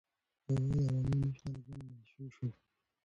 هغه د عوامي نېشنل ګوند منشي شو.